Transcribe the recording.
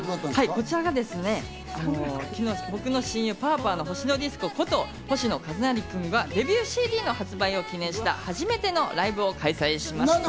こちらがですね、昨日、僕の親友パーパーのほしのディスコこと星野一成君がデビューＣＤの発売を記念した初めてのライブを開催しました。